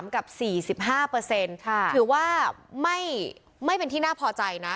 ๕๓กับ๔๕เปอร์เซ็นต์ถือว่าไม่เป็นที่น่าพอใจนะ